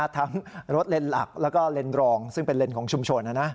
ทั้งรถเลนหลักแล้วก็เลนส์รองซึ่งเป็นเลนของชุมชน